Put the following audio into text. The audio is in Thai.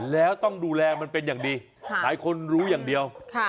แล้วต้องดูแลมันเป็นอย่างดีหลายคนรู้อย่างเดียว